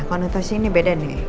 konotasi ini beda nih